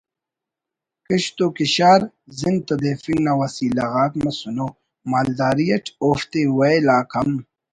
کشت و کشار زند تدیفنگ نا وسیلہ غاک مسنو مالداری اٹ اوفتے ویل آک ہم